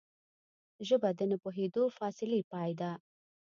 ژبه د نه پوهېدو د فاصلې پای ده